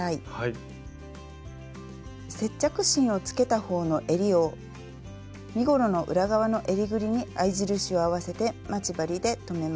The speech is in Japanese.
接着芯をつけたほうのえりを身ごろの裏側のえりぐりに合い印を合わせて待ち針で留めます。